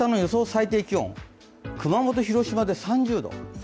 最低気温熊本、広島で３０度。